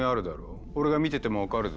俺が見てても分かるぞ。